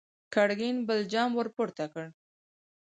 ګرګين بل جام ور پورته کړ!